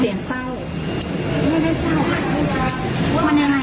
เสียงเศร้าไม่ได้เศร้าค่ะว่ามันยังไง